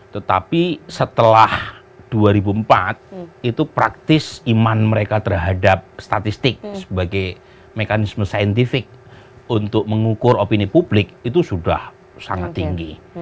tetapi setelah dua ribu empat itu praktis iman mereka terhadap statistik sebagai mekanisme saintifik untuk mengukur opini publik itu sudah sangat tinggi